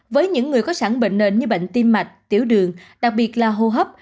với những người có sẵn bệnh nền như bệnh tim mạch tiểu đường đặc biệt là hô hấp